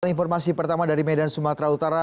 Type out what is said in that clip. informasi pertama dari medan sumatera utara